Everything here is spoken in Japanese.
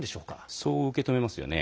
そう受けとめますよね。